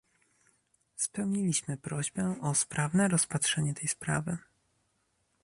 Spełniliśmy prośbę o sprawne rozpatrzenie tej sprawy